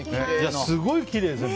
すごいきれいですね